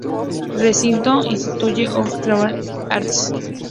Recinto: Institute of Contemporary Arts.